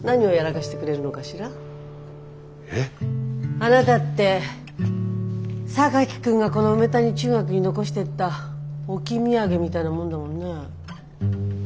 あなたって榊君がこの梅谷中学に残してった置き土産みたいなもんだもんね。